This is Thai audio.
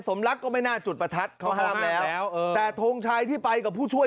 สมรักก็ไม่น่าจุดประทัดเขาห้ามแล้วแต่ทงชัยที่ไปกับผู้ช่วย